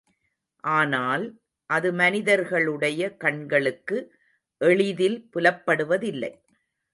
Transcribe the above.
ஆனால், அது மனிதர்களுடைய கண்களுக்கு எளிதில் புலப்படுவதில்லை.